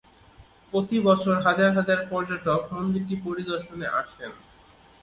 প্রতি বছর হাজার হাজার পর্যটক মন্দিরটি পরিদর্শনে আসেন।